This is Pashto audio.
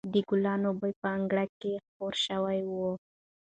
د ګلانو بوی په انګړ کې خپور شوی و.